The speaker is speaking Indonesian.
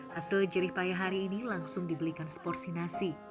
hasil jerih payah hari ini langsung dibelikan seporsi nasi